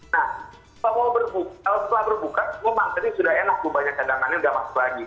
nah kalau mau berbuka kalau setelah berbuka memang jadi sudah enak tuh banyak cadangannya udah masuk lagi